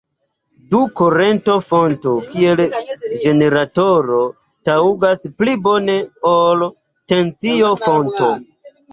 Do kurento-fonto kiel generatoro taŭgas pli bone ol tensio-fonto.